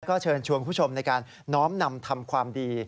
ก็เชิญชวนคุณผู้ชมในการน้อมนำทำความดี